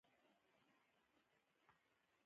افغانانو یو لوی بری ترلاسه کړی وو.